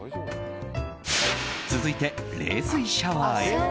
続いて、冷水シャワーへ。